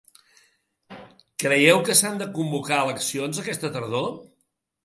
Creieu que s’han de convocar eleccions aquesta tardor?